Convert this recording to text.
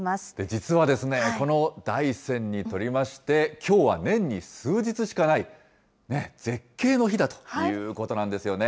実はですね、この大山にとりまして、きょうは年に数日しかない絶景の日だということなんですよね。